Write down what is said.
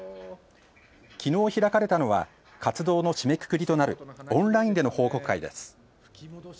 きのう開かれたのは活動の締めくくりとなるオンラインでの報告会です。